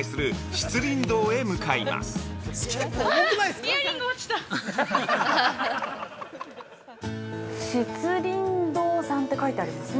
◆漆琳堂さんて書いてありますね。